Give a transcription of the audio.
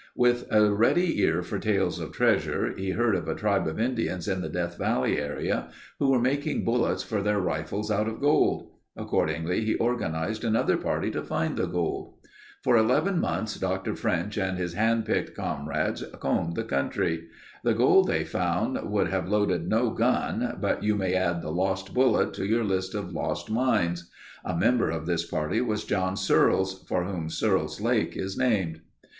With a ready ear for tales of treasure, he heard of a tribe of Indians in the Death Valley area who were making bullets for their rifles out of gold. Accordingly he organized another party to find the gold. For eleven months Dr. French and his hand picked comrades combed the country. The gold they found would have loaded no gun, but you may add the Lost Bullet to your list of lost mines. A member of this party was John Searles, for whom Searles' Lake is named.